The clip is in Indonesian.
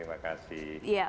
baik terima kasih